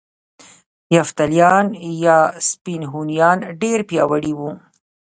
یفتلیان یا سپین هونیان ډیر پیاوړي وو